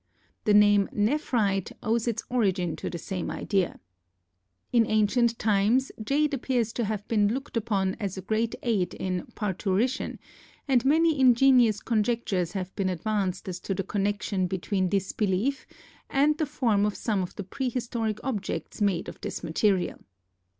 The name nephrite owes its origin to the same idea. In ancient times jade appears to have been looked upon as a great aid in parturition, and many ingenious conjectures have been advanced as to the connection between this belief and the form of some of the prehistoric objects made of this material.